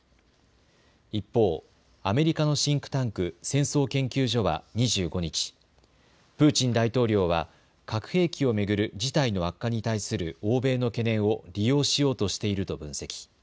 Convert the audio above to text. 一方、アメリカのシンクタンク、戦争研究所は２５日、プーチン大統領は核兵器を巡る事態の悪化に対する欧米の懸念を利用しようとしていると分析。